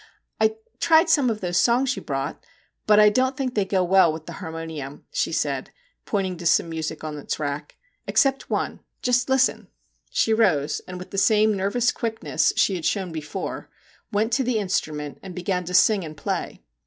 ' I tried some of those songs you brought, but I don't think they go well with the har monium/ she said, pointing to some music on its rack, ' except one. Just listen/ She rose, and with the same nervous quickness she had 46 MR. JACK HAMLIN'S MEDIATION shown before, went to the instrument and began to sing and play.